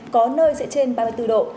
có nơi sẽ trên ba mươi bốn độ